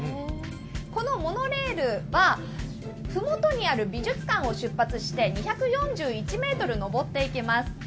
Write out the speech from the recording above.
このモノレールは、ふもとにある美術館を出発して２４１ｍ上っていきます。